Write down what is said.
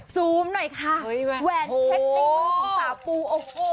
ซูมหน่อยค่ะแหวนเพชรเป็นมือของสาวปูโอ้โห